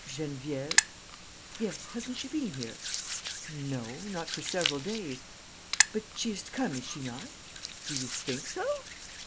"Geneviève?" "Yes; hasn't she been here?" "No, not for several days. ..." "But she is to come, is she not?" "Do you think so?"